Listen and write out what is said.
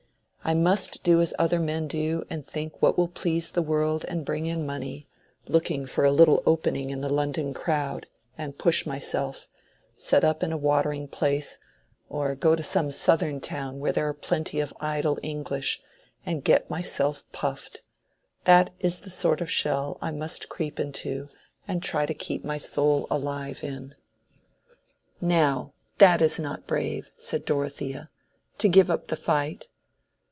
I must do as other men do, and think what will please the world and bring in money; look for a little opening in the London crowd, and push myself; set up in a watering place, or go to some southern town where there are plenty of idle English, and get myself puffed,—that is the sort of shell I must creep into and try to keep my soul alive in." "Now that is not brave," said Dorothea,—"to give up the fight."